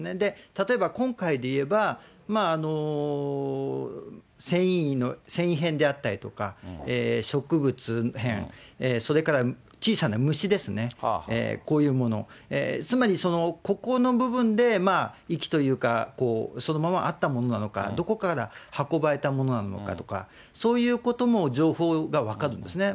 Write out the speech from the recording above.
例えば今回でいえば、繊維片であったりとか、植物片、それから小さな虫ですね、こういうもの、つまりここの部分で遺棄というか、そのままあったものなのか、どこから運ばれたものなのかとか、そういうことも情報が分かるんですね。